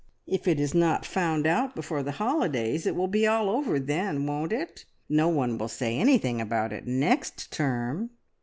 If it is not found out before the holidays, it will be all over then, won't it? No one will say anything about it next term."